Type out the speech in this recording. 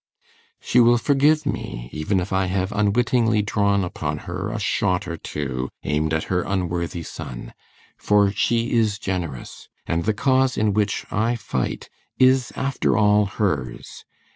_" She will forgive me, even if I have unwittingly drawn upon her a shot or two aimed at her unworthy son; for she is generous, and the cause in which I fight is, after all, hers.